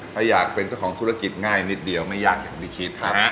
ถ้าอยากเป็นเจ้าของธุรกิจง่ายนิดเดียวไม่ยากอย่างที่คิดนะฮะ